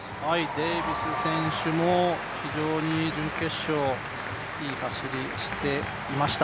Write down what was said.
デービス選手も非常に準決勝、いい走りをしていました。